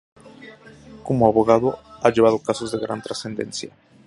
Como abogado ha llevado casos de gran trascendencia.